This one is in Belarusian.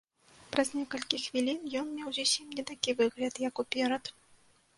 Праз некалькі хвілін ён меў зусім не такі выгляд, як уперад.